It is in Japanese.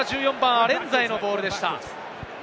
アレンザへのボールでした。